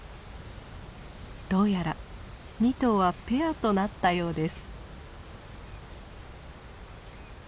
どうやら２頭はペアとなったようです。